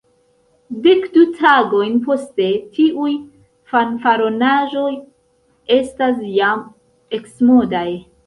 Dek-du tagojn poste, tiuj fanfaronaĵoj estas jam eksmodaj.